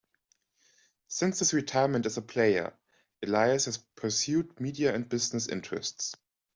Since his retirement as a player, Elias has pursued media and business interests.